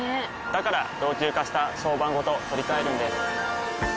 から老朽化した床版ごと取り替えるんです。